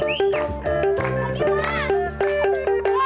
ini dia ya enak